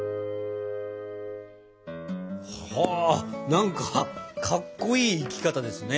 何かかっこいい生き方ですね。